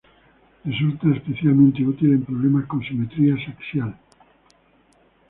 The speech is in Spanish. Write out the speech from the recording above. Resulta especialmente útil en problemas con simetría axial.